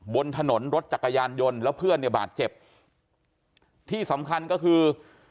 บนถนนรถจักรยานยนต์แล้วเพื่อนเนี่ยบาดเจ็บที่สำคัญก็คือ